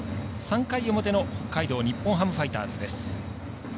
３回の表の北海道日本ハムファイターズです。